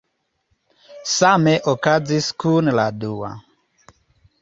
Same okazis kun la dua.